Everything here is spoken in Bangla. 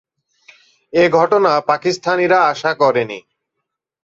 এ ঘটনা পাকিস্তানিরা আশা করেনি।